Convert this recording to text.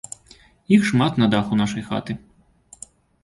Іх шмат на даху нашай хаты.